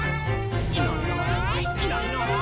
「いないいないいないいない」